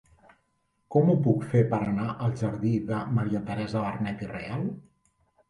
Com ho puc fer per anar al jardí de Maria Teresa Vernet i Real?